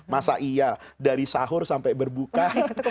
masa iya dari sahur sampai berbuka